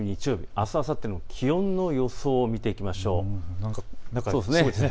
あす、あさっての気温の予想を見ていきましょう。